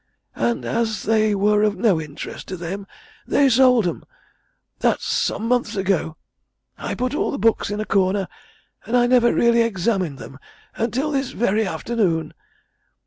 And as they were of no interest to them, they sold 'em. That's some months ago. I put all the books in a corner and I never really examined them until this very afternoon.